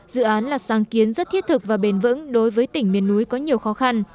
dự án là sáng kiến rất thiết thực và bền vững đối với tỉnh miền núi có nhiều khó khăn